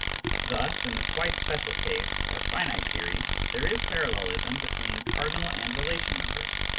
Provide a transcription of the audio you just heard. Thus, in the quite special case of finite series, there is parallelism between cardinal and relation numbers.